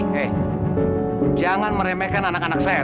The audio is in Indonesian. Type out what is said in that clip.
hei jangan meremehkan anak anak saya